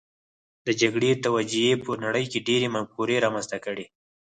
د جګړې توجیې په نړۍ کې ډېرې مفکورې رامنځته کړې